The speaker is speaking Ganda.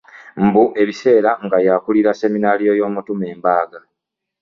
Mbu ebiseera nga yakulira sseminariyo y'omutume Mbaaga